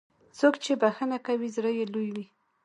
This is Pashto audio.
څوک چې بښنه کوي، زړه یې لوی وي.